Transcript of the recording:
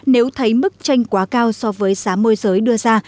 nếu thấy mức tranh quá cao so với giá môi giới đưa ra